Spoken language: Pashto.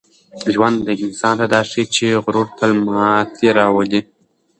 ژوند انسان ته دا ښيي چي غرور تل ماتې راولي.